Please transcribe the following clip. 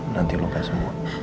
nanti luka semua